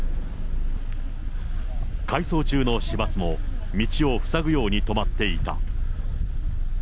回送中の市バスも、道を塞ぐように止まっていた。